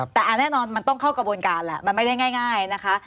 แต่แน่นอนมันต้องเข้ากระบวนการแหละมันไม่ได้ง่ายนะคะ